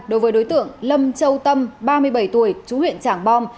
đối với đối tượng lâm châu tâm ba mươi bảy tuổi chú huyện trảng bom